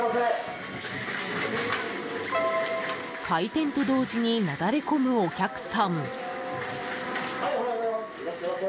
開店と同時になだれ込むお客さん。